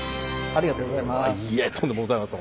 ありがとうございます。